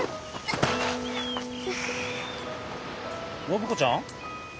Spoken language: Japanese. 暢子ちゃん？